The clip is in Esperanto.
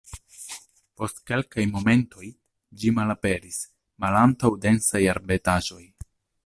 Post kelkaj momentoj ĝi malaperis malantaŭ densaj arbetaĵoj.